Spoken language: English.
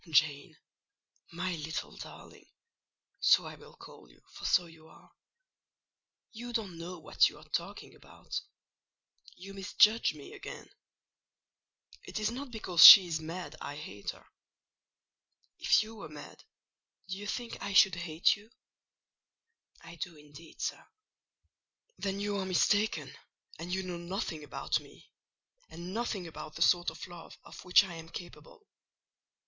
"Jane, my little darling (so I will call you, for so you are), you don't know what you are talking about; you misjudge me again: it is not because she is mad I hate her. If you were mad, do you think I should hate you?" "I do indeed, sir." "Then you are mistaken, and you know nothing about me, and nothing about the sort of love of which I am capable.